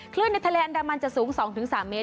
ในทะเลอันดามันจะสูง๒๓เมตร